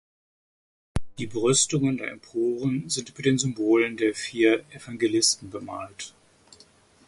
Die Brüstungen der Emporen sind mit den Symbolen der vier Evangelisten bemalt.